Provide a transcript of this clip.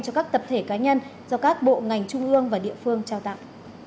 cho các tập thể cá nhân do các bộ ngành trung ương và địa phương trao tặng